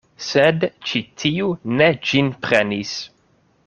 Sed ĉi tiu ne ĝin prenis.